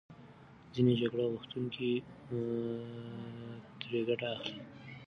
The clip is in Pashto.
ځینې جګړه غوښتونکي ترې ګټه اخلي.